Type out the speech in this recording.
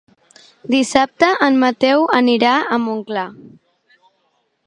Dissabte en Mateu anirà a Montclar.